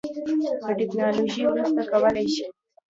دا ټیکنالوژي وروسته کولی شي